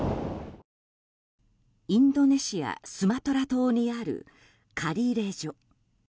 インドネシアスマトラ島にあるカリレジョ。